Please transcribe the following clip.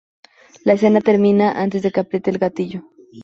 La escena termina antes de que apriete el gatillo.